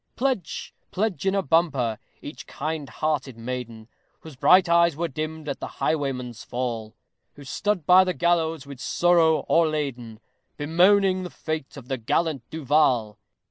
Pledge! pledge in a bumper, each kind hearted maiden, Whose bright eyes were dimmed at the highwayman's fall; Who stood by the gallows with sorrow o'erladen, Bemoaning the fate of the gallant DU VAL!